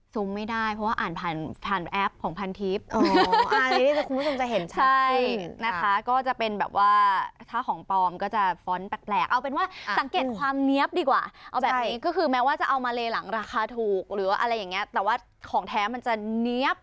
ซูมให้คุณผู้ชมดูเมื่อกี้อาจจะตัวเล็กไปหน่อย